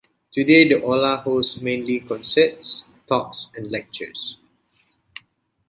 Today, the Aula hosts mainly concerts, talks and lectures.